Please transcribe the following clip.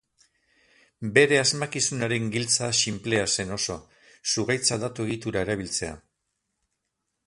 Bere asmakizunaren giltza sinplea zen oso: zuhaitza datu-egitura erabiltzea.